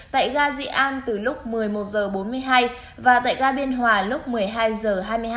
tại gà dị an từ lúc một mươi một giờ bốn mươi hai và tại gà biên hòa lúc một mươi hai giờ hai mươi hai